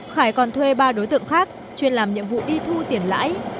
khải còn thuê ba đối tượng khác chuyên làm nhiệm vụ đi thu tiền lãi